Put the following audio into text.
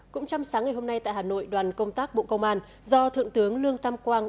cũng trong sáng ngày hôm nay tại hà nội đoàn công tác bộ công an do thượng tướng lương tam quang